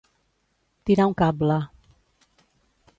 Tirar un cable.